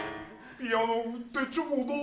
ピアノ売ってちょうだい。